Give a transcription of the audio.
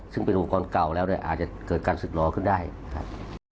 ซึ่งเป็นอุปกรณ์เก่าแล้วเนี่ยอาจจะเกิดการศึกล้อขึ้นได้นะครับ